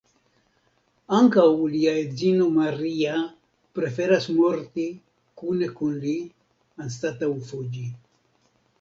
Ankaŭ lia edzino Maria preferas morti kune kun li anstataŭ fuĝi.